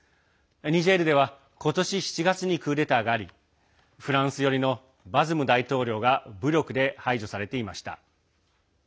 ニジェールでは今年７月にクーデターがありフランス寄りのバズム大統領が武力で排除されていました。